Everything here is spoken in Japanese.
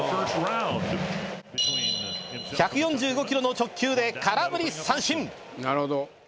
１４５キロの直球で空振り三振。